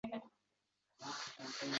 Bogʻlab oling itingizni.